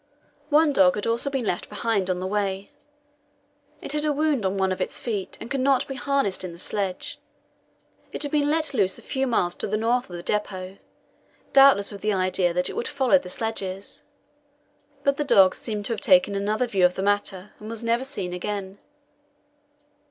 One dog had also been left behind on the way; it had a wound on one of its feet, and could not be harnessed in the sledge. It had been let loose a few miles to the north of the depot, doubtless with the idea that it would follow the sledges. But the dog seemed to have taken another view of the matter, and was never seen again.